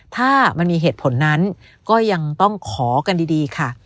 ถ้ามันมีเหตุผลนั้นก็ยังต้องขอกันดีค่ะ